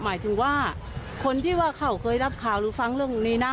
หมายถึงว่าคนที่ว่าเขาเคยรับข่าวหรือฟังเรื่องนี้นะ